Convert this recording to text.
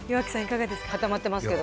固まってますけど。